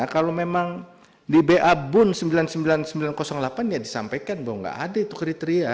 kalau memang di babun sembilan ribu sembilan ratus delapan ya disampaikan bahwa enggak ada itu kriteria